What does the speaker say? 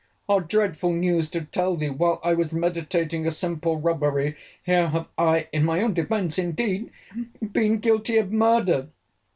Dreadful news to tell thee! While I was meditating a simple robbery, here have I (in my own defence indeed) been guilty of murder!